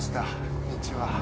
こんにちは。